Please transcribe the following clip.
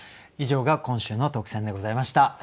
以上が今週の特選でございました。